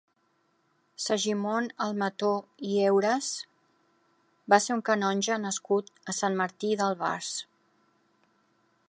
Segimon Almató i Euras va ser un canonge nascut a Sant Martí d'Albars.